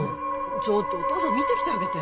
ちょっとお父さん見てきてあげて・